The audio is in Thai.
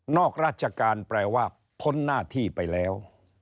ราชการแปลว่าพ้นหน้าที่ไปแล้ว